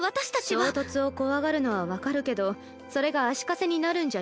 衝突を怖がるのは分かるけどそれが足かせになるんじゃ意味ないわ。